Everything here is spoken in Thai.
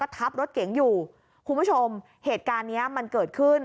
ทับรถเก๋งอยู่คุณผู้ชมเหตุการณ์เนี้ยมันเกิดขึ้น